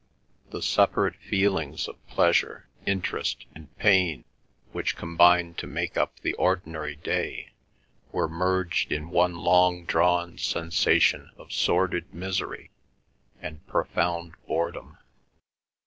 The separate feelings of pleasure, interest, and pain, which combine to make up the ordinary day, were merged in one long drawn sensation of sordid misery and profound boredom.